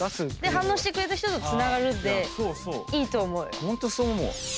反応してくれた人とつながるでいいと思うよ。